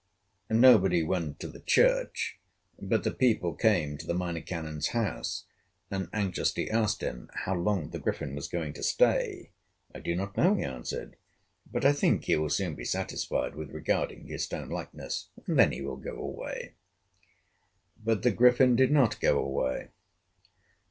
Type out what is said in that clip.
Nobody went to the church, but the people came to the Minor Canon's house, and anxiously asked him how long the Griffin was going to stay. "I do not know," he answered, "but I think he will soon be satisfied with regarding his stone likeness, and then he will go away." But the Griffin did not go away.